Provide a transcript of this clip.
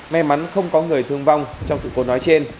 may mắn không có người thương vong trong sự cố nói trên